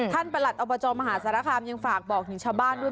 ประหลัดอบจมหาสารคามยังฝากบอกถึงชาวบ้านด้วย